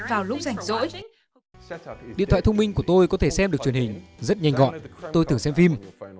vào lúc rảnh rỗi điện thoại thông minh của tôi có thể xem được truyền hình rất nhanh gọn tôi thường xem phim